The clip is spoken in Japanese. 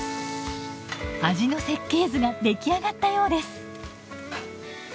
味の設計図が出来上がったようです。